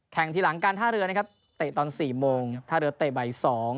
ทีหลังการท่าเรือนะครับเตะตอน๔โมงท่าเรือเตะบ่าย๒